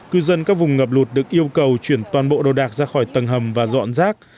cư dân các vùng ngập lụt được yêu cầu chuyển toàn bộ đồ đạc ra khỏi tầng hầm và dọn rác